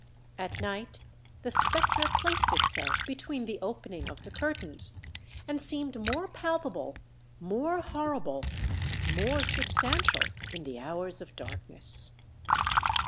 At night the spectre placed itself between the opening of the curtains, and seemed more palpable—more horrible—more substantial in the hours of darkness.